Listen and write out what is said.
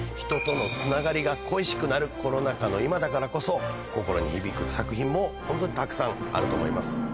人とのつながりが恋しくなるコロナ禍の今だからこそ心に響く作品もホントにたくさんあると思います。